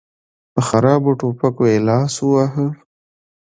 په خرابو ټوپکو يې لاس وواهه.